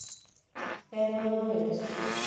Pérola d'Oeste